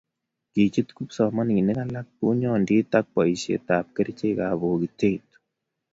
kichut kipsomanik alak bunyondit ak boisietab kerchekab bokitik